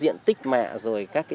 nên là tránh được lũ